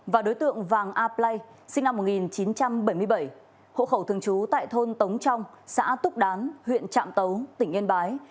và đối tượng vàng a play sinh năm một nghìn chín trăm bảy mươi bảy hộ khẩu thường trú tại thôn tống trong xã túc đán huyện trạm tấu tỉnh yên bái